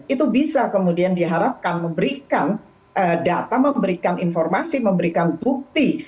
itu bisa kemudian diharapkan memberikan data memberikan informasi memberikan bukti